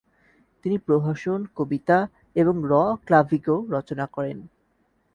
তিনি প্রহসন, কবিতা এবং র ক্লাভিগো রচনা করেন।